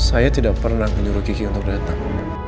hai saya tidak pernah menurut kiki untuk datang